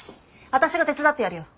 私が手伝ってやるよ。